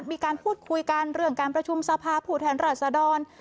มีการพูดคุยกันเรื่องการประชุมสภาผู้แทนราชดร